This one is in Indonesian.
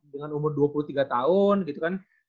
dengan umur dua puluh tiga tahun gitu kan